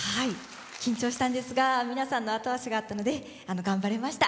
緊張したんですが皆さんの後押しがあったので頑張れました。